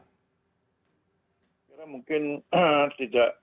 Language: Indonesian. saya mungkin tidak